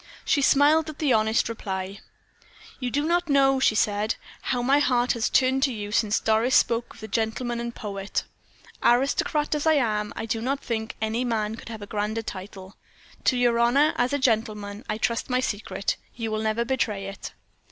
She smiled at the honest reply. "You do not know," she said, "how my heart has turned to you since Doris spoke of the 'gentleman and poet.' Aristocrat as I am, I do not think any man could have a grander title. To your honor, as a gentleman, I trust my secret you will never betray it."